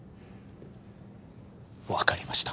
わかりました。